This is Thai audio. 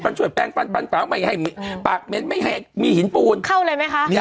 มันช่วยแปลงฟันฟันฝาไม่ให้ปากเหม็นไม่ให้มีหินปูนเข้าเลยไหมคะ